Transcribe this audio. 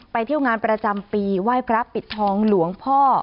เที่ยวงานประจำปีไหว้พระปิดทองหลวงพ่อ